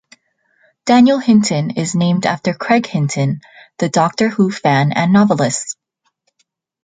Daniel Hinton is named after Craig Hinton, the Doctor Who fan and novelist.